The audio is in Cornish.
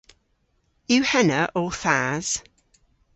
Yw henna ow thas?